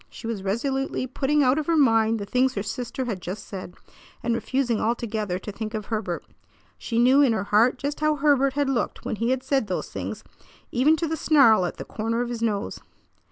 She was resolutely putting out of her mind the things her sister had just said, and refusing altogether to think of Herbert. She knew in her heart just how Herbert had looked when he had said those things, even to the snarl at the corner of his nose.